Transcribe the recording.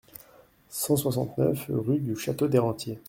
cent soixante-neuf rue du Château des Rentiers